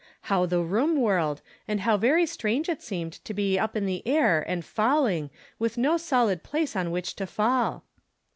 How the room whirled, and how very strange it seemed to be up in the air and falling, with no solid place on which to fall.